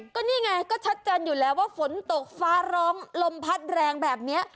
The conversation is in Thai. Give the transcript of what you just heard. ก็นี่ไงก็ชัดเจนอยู่แล้วว่าฝนตกฟ้าร้องลมพัดแรงแบบนี้